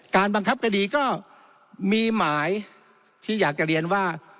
บังคับคดีก็มีหมายที่อยากจะเรียนว่า